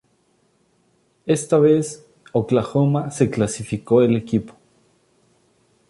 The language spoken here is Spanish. Esta vez Oklahoma se clasificó el equipo.